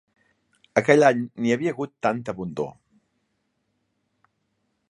Aquell any n'hi havia hagut tanta abundor